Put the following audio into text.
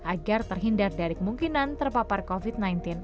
agar terhindar dari kemungkinan terpapar covid sembilan belas